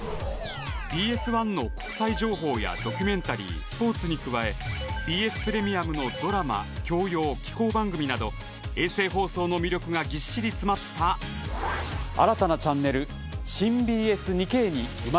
ＢＳ１の国際情報やドキュメンタリースポーツに加えＢＳプレミアムのドラマ教養紀行番組など衛星放送の魅力がぎっしり詰まった新たなチャンネル新ＢＳ２Ｋに生まれ変わります！